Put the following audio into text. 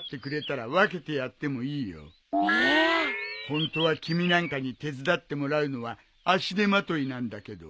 ホントは君なんかに手伝ってもらうのは足手まといなんだけど。